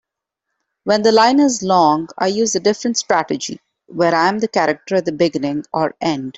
When the line is long, I use a different strategy where I name the character at the beginning or end.